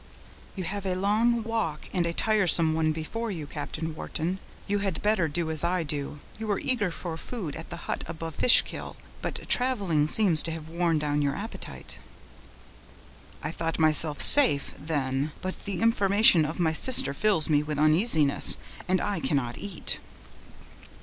"You have a long walk, and a tiresome one, before you, Captain Wharton; you had better do as I do—you were eager for food at the hut above Fishkill, but traveling seems to have worn down your appetite." "I thought myself safe, then, but the information of my sister fills me with uneasiness, and I cannot eat."